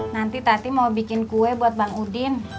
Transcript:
nanti tati mau bikin kue buat bang udin